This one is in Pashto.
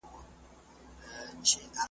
په ژوند یې ښځي نه وې لیدلي .